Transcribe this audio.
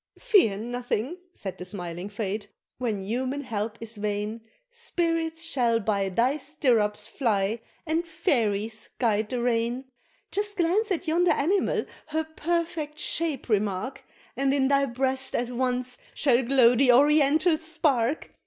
"Fear nothing," said the smiling Fate, "when human help is vain, Spirits shall by thy stirrups fly, and fairies guide the rein; Just glance at yonder animal, her perfect shape remark, And in thy breast at once shall glow the oriental spark!